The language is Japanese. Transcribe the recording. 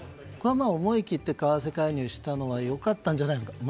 思い切って為替介入したのは良かったんじゃないのかと。